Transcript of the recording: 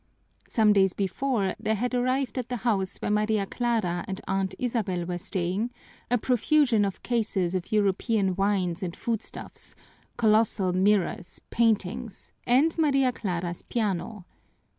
Some days before there had arrived at the house where Maria Clara and Aunt Isabel were staying a profusion of eases of European wines and food stuffs, colossal mirrors, paintings, and Maria Clara's piano.